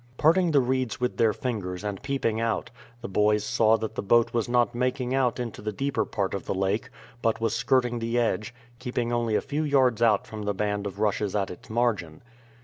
Parting the reeds with their fingers and peeping out, the boys saw that the boat was not making out into the deeper part of the lake, but was skirting the edge, keeping only a few yards out from the band of rushes at its margin.